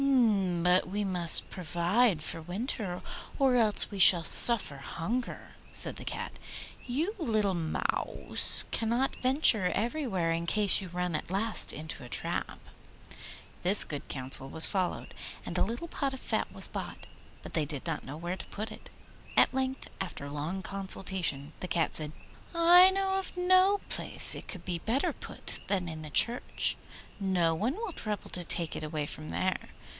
'But we must provide for the winter or else we shall suffer hunger,' said the Cat. 'You, little Mouse, cannot venture everywhere in case you run at last into a trap.' This good counsel was followed, and a little pot of fat was bought. But they did not know where to put it. At length, after long consultation, the Cat said, 'I know of no place where it could be better put than in the church. No one will trouble to take it away from there.